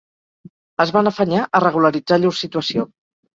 Es van afanyar a regularitzar llur situació